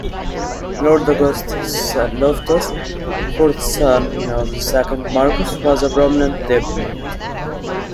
Lord Augustus Loftus, fourth son of the second Marquess, was a prominent diplomat.